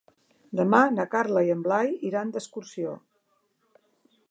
Demà na Carla i en Blai iran d'excursió.